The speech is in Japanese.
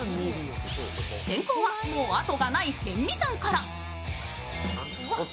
先攻はもうあとがない辺見さんから。